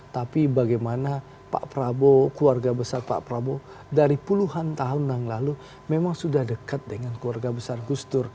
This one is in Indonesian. tapi bagaimana pak prabowo keluarga besar pak prabowo dari puluhan tahun yang lalu memang sudah dekat dengan keluarga besar gus dur